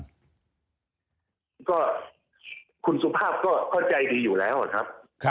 คุณสุภาพก็ใจดีอยู่แล้วครับ